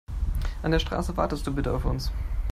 An der Straße wartest du bitte auf uns.